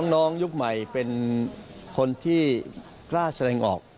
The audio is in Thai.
น้องยุคใหม่เป็นคนที่กล้าแสดงออก